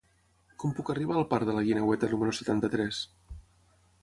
Com puc arribar al parc de la Guineueta número setanta-tres?